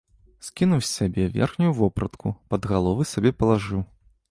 Скінуў з сябе верхнюю вопратку, пад галовы сабе палажыў.